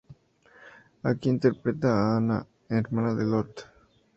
Aquí interpreta a Anna, hermana de Lotte.